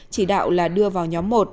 chỉ đạo là đưa vào nhóm một